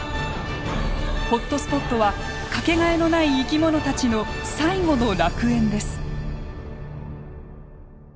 ホットスポットは掛けがえのない生き物たちの最後の楽園です。